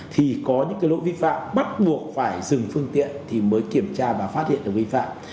thì có những lỗi vi phạm bắt buộc phải dừng phương tiện thì mới kiểm tra và phát hiện được vi phạm